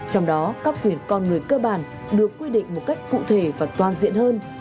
trong đó các quyền con người cơ bản được quy định một cách cụ thể và toàn diện hơn